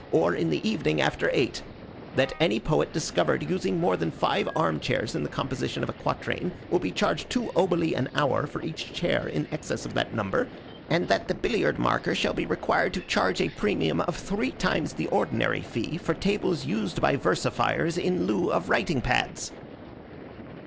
or in the evening after eight; that any poet discovered using more than five arm chairs in the composition of a quatrain will be charged two oboli an hour for each chair in excess of that number; and that the billiard marker shall be required to charge a premium of three times the ordinary fee for tables used by versifiers in lieu of writing pads?"